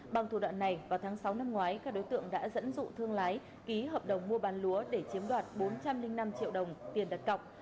bằng thủ đoạn này vào tháng sáu năm ngoái các đối tượng đã dẫn dụ thương lái ký hợp đồng mua bán lúa để chiếm đoạt bốn trăm linh năm triệu đồng tiền đặt cọc